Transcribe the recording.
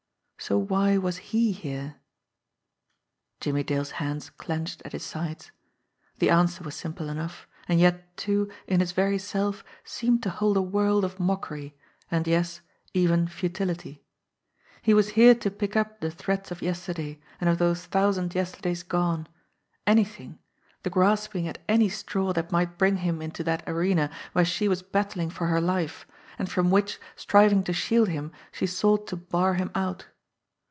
So why was he here? Jimmie Dale's hands clenched at his sides. The answer was simple enough, and yet, too, in its very self seemed to hold a world of mockery and, yes, even futility. He was here to pick up the threads of yesterday and of those thou sand yesterdays gone anything the grasping at any straw that might bring him into that arena where she was battling 20 JIMMIE DALE AND THE PHANTOM CLUE for her life, and from which, striving to shield him, she sought to bar him out.